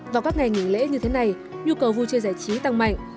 vào các ngày nghỉ lễ như thế này nhu cầu vui chơi giải trí tăng mạnh